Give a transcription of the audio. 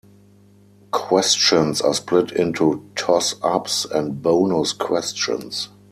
Questions are split into toss-ups and bonus questions.